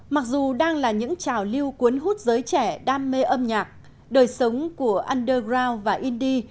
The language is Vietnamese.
mặc dù đang là những trào lưu cuốn hút giới trẻ đam mê âm nhạc đời sống của underground và indie